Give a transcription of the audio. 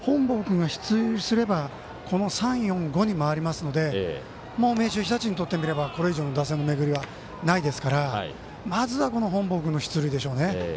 本坊君が出塁すれば３、４、５に回りますので明秀日立にとってみればこれ以上の打線の巡りはないですからまずは本坊君の出塁でしょうね。